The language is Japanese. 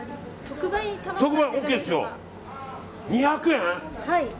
２００円？